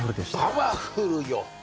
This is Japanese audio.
パワフルよ。